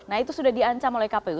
nah itu sudah diancam oleh kpu